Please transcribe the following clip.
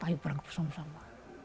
ayo perangkat bersama sama